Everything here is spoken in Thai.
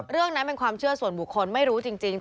เรื่องนั้นเป็นความเชื่อส่วนบุคคลไม่รู้จริง